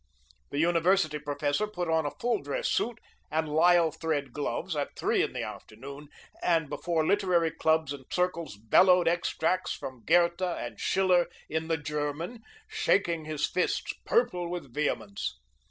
The university professor put on a full dress suit and lisle thread gloves at three in the afternoon and before literary clubs and circles bellowed extracts from Goethe and Schiler in the German, shaking his fists, purple with vehemence.